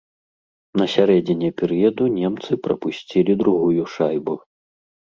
На сярэдзіне перыяду немцы прапусцілі другую шайбу.